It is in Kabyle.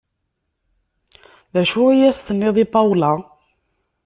D acu i s-tenniḍ i Paola?